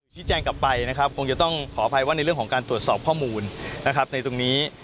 แจ้งกลับไปนะครับคงจะต้องขออภัยว่าในเรื่องของการตรวจสอบข้อมูลนะครับในตรงนี้